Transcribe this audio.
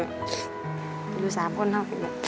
โดดสามคนนะ